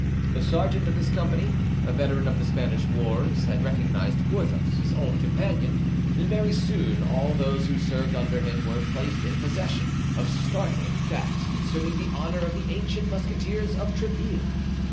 The sergeant of this company, a veteran of the Spanish wars, had recognized Porthos, his old companion, and very soon all those who served under him were placed in possession of startling facts concerning the honor of the ancient musketeers of Tréville.